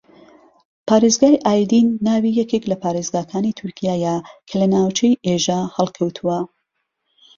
پارێزگای ئایدین ناوی یەکێک لە پارێزگاکانی تورکیایە کە لە ناوچەی ئێژە ھەڵکەوتووە